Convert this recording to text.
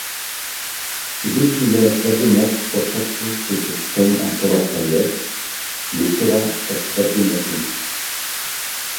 Ibilbide ezberdinak osatu zituzten antolatzaileek, luzera ezberdinekin.